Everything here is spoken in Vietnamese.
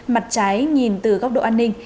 mặt trái nhìn từ góc độ an ninh